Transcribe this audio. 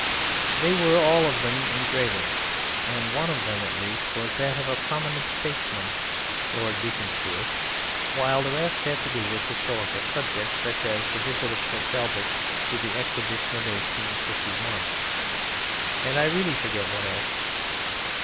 They were all of them engravings, and one of them at least was that of a prominent statesman (Lord Beaconsfield), while the rest had to do with historical subjects, such as the visit of Prince Albert to the Exhibition of 1851, and I really forget what else.